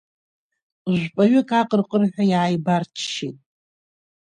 Жәпаҩык аҟырҟырҳәа иааибарччеит.